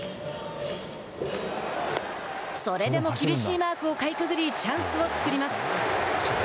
それでも厳しいマークをかいくぐりチャンスを作ります。